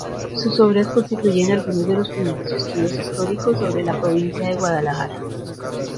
Sus obras constituyen algunos de los primeros estudios históricos sobre la provincia de Guadalajara.